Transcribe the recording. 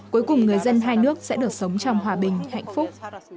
cuối cùng người dân hai nước sẽ được sống trong hòa bình hạnh phúc